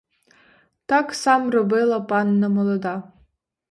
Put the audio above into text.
Так сам робила панна молода.